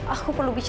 aku perlu bicara